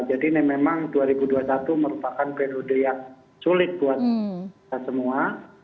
jadi ini memang dua ribu dua puluh satu merupakan periode yang sulit buat kita semua